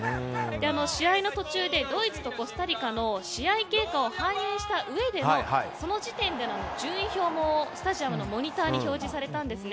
試合の途中でドイツとコスタリカの試合経過を反映したうえでのその時点での順位表もスタジアムのモニターに表示されたんですね。